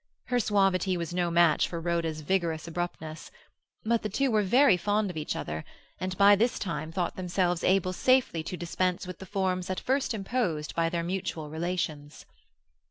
Her suavity was no match for Rhoda's vigorous abruptness. But the two were very fond of each other, and by this time thought themselves able safely to dispense with the forms at first imposed by their mutual relations.